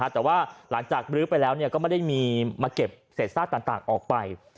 แต่ว่าหลังจากบรื้อไปแล้วก็ไม่ได้มีมาเก็บเศษซากต่างออกไป